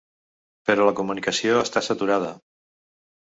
Però la comunicació està saturada.